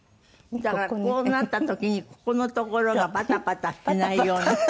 だからこうなった時にここのところがパタパタしないように。